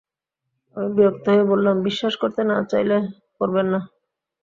আমি বিরক্ত হয়ে বললাম, বিশ্বাস করতে না চাইলে করবেন না।